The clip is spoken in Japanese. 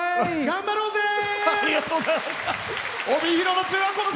頑張ろうぜー！